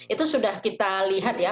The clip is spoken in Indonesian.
itu sudah kita lihat ya